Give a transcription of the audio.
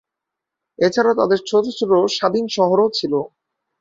এছাড়া তাদের ছোট ছোট স্বাধীন শহরও ছিল।